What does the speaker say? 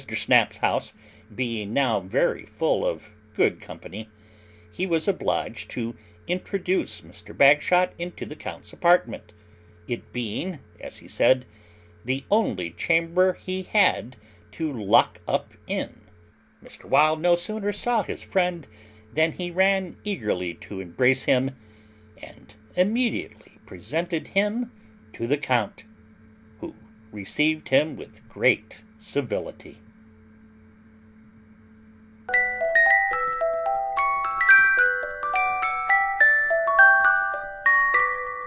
Snap's house being now very full of good company, he was obliged to introduce Mr. Bagshot into the count's apartment, it being, as he said, the only chamber he had to LOCK UP in. Mr. Wild no sooner saw his friend than he ran eagerly to embrace him, and immediately presented him to the count, who received him with great civility.